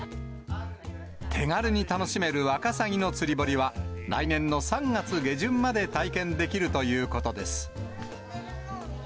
手軽に楽しめるワカサギの釣り堀は、来年の３月下旬まで体験できるということです。